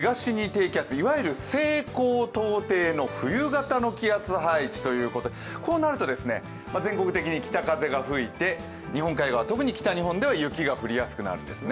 西日本高気圧、東に低気圧、いわゆる西高東低の冬型の気圧配置ということでこうなると全国的に北風が吹いて日本海側、特に北日本では雪が降りやすくなるんですね。